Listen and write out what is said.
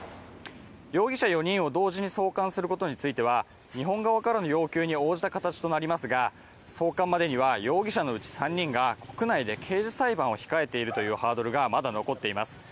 容疑者４人を同時に送還することについては、日本側からの要求に応じた形になりますが送還までには容疑者のうち３人が国内で刑事裁判を控えているというハードルがまだ残っています。